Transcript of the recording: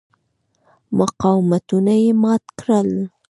مقاومتونه یې مات کړل.